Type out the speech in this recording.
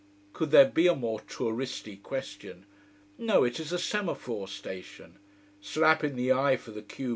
Could there be a more touristy question! No, it is the semaphore station. Slap in the eye for the q b!